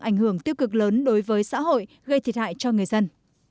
ảnh hưởng tiêu cực lớn đối với xã hội gây thiệt hại cho người dân